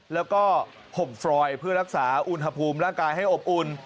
แล้วก็ห่มฟรอยเพื่อรักษาอุณหภูมิร่างกายให้อบอุ่น